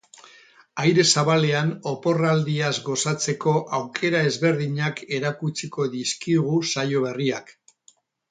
Aire zabalean oporraldiaz gozatzeko aukera ezberdinak erakutsiko dizkigu saio berriak.